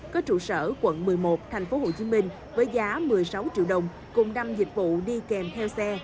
có trụ sở quận một mươi một tp hcm với giá một mươi sáu triệu đồng cùng năm dịch vụ đi kèm theo xe